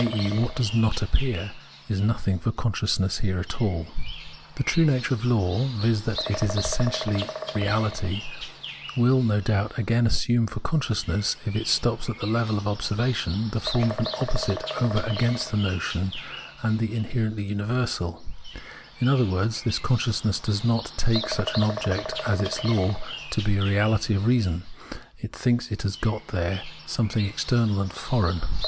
e. what does not appear, is nothing for consciousness here at all. The true nature of law, viz. : that it essentially is reality, will, no doubt, again assume for consciousness, if it stops at the level of observation, the form of an opposite over against the notion and the in herently universal ; in other words, this consciousness does not take such an object as its law to be a reality * Directed against Kant and FJchte, Observation of Nature 243 of reason ; it ttinks it has got there something external and foreign.